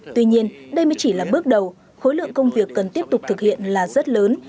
tuy nhiên đây mới chỉ là bước đầu khối lượng công việc cần tiếp tục thực hiện là rất lớn